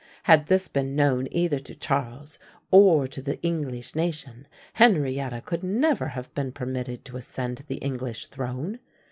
Had this been known either to Charles or to the English nation, Henrietta could never have been permitted to ascend the English throne.